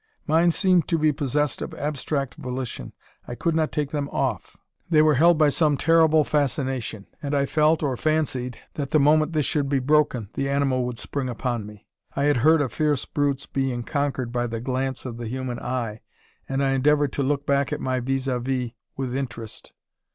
Mine seemed to be possessed of abstract volition. I could not take them off. They were held by some terrible fascination; and I felt, or fancied, that the moment this should be broken, the animal would spring upon me. I had heard of fierce brutes being conquered by the glance of the human eye, and I endeavoured to look back my vis a vis with interest.